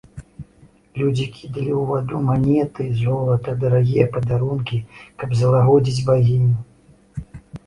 Людзі кідалі ў ваду манеты, золата, дарагія падарункі, каб залагодзіць багіню.